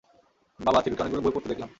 বাবা, থিরুকে অনেকগুলো বই পড়তে দেখলাম।